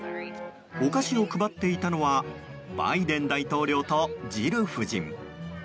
お菓子を配っていたのはバイデン大統領とジル夫人。